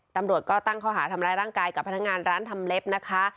ตำรวจก็ตั้งข้อหาทำร้ายร่างกายกับพนักงานร้านทำเล็บนะคะ